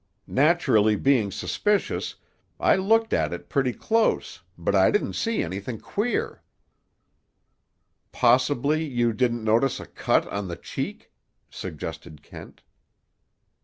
Naturally being suspicious, I looked at it pretty close; but I didn't see anything queer." "Possibly you didn't notice a cut on the cheek?" suggested Kent.